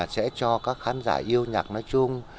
sẽ cho các khán giả yêu nhạc nói chung